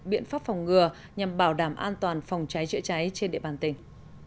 biện pháp phòng ngừa nhằm bảo đảm an toàn phòng cháy chữa cháy trên địa bàn tỉnh